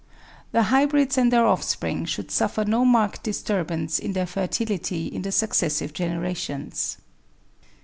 The hybrids and their offspring should suffer no marked disturb ance in their fertility in the successive generations.